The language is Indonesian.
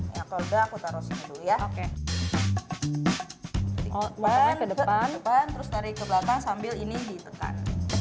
ya kalau udah aku taruh dulu ya oke ke depan ban terus tarik ke belakang sambil ini ditekan